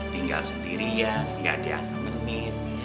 tinggal sendirian gak ada yang ngengin ya ya